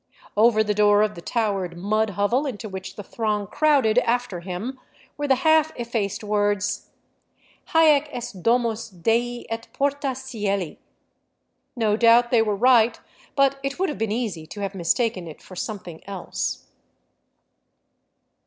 Over the door of the towered mud hovel into which the throng crowded after him were the half effaced words, " Haec est domus dei et porta ciELi.'"' No doubt they were right, but it would have been easy to have mistaken it for something else.